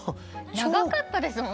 長かったですもんね！